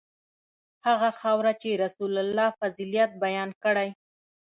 هغه خاوره چې رسول الله فضیلت بیان کړی.